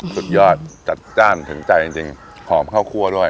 สุดยอดจัดจ้านถึงใจจริงหอมข้าวคั่วด้วย